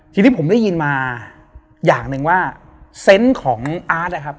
ทีนี้ผมได้ยินมาอย่างหนึ่งว่าเซนต์ของอาร์ตนะครับ